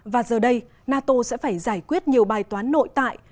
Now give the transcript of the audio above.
và giờ đây nato sẽ phải giải quyết nhiều bài toán nội tại